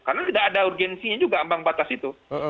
karena tidak ada urgensinya juga ambang batas itu